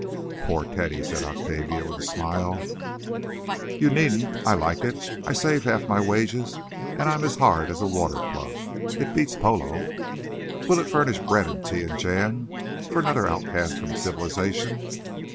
"Poor Teddy!" said Octavia, with a smile. "You needn't. I like it. I save half my wages, and I'm as hard as a water plug. It beats polo." "Will it furnish bread and tea and jam for another outcast from civilization?"